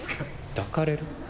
抱かれる？